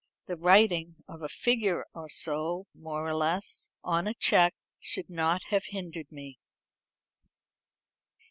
The writing of a figure or so more or less on a cheque should not have hindered me."